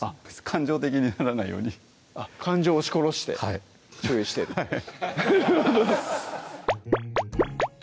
感情的にならないように感情を押し殺して注意してるはいフフフフッ